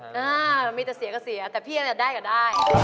มันมีแต่เสียก็เสียแต่พี่อาจจะได้ก็ได้